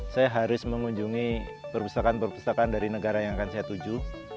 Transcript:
saya harus mengunjungi perpustakaan perpustakaan dari negara yang akan saya tuju